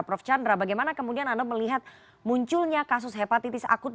prof chandra bagaimana kemudian anda melihat munculnya kasus hepatitis akut